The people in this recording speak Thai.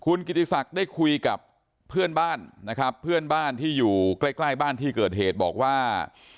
คุณกิติศักดิ์ได้คุยกับเพื่อนบ้านนะครับเพื่อนบ้านที่อยู่ใกล้ใกล้บ้านที่เกิดเหตุบอกว่า